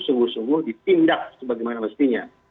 sungguh sungguh dipindah sebagaimana mestinya